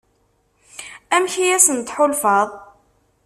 Amek i asent-tḥulfaḍ?